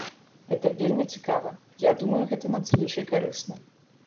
Гэта вельмі цікава, я думаю, гэта надзвычай карысна.